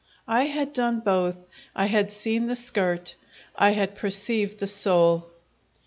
I had done both; I had seen the skirt; I had perceived the soul!